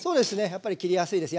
やっぱり切りやすいです。